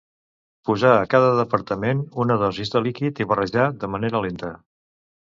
Posar a cada departament una dosis de líquid i barrejar de manera lenta.